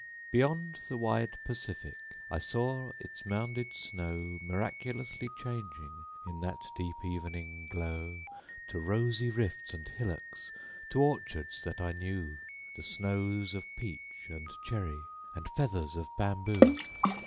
Beyond the wide Pacific I saw its mounded snow Miraculously changing In that deep evening glow, To rosy rifts and hillocks, To orchards that I knew, The snows or peach and cherry, And feathers of bamboo.